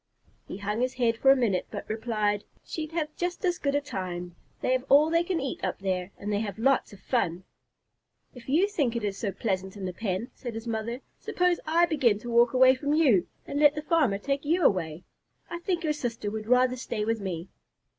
He hung his head for a minute, but replied, "She'd have just as good a time. They have all they can eat up there, and they have lots of fun." [Illustration: FEEDING THE LAMBS.] "If you think it is so pleasant in the pen," said his mother, "suppose I begin to walk away from you, and let the farmer take you away. I think your sister would rather stay with me."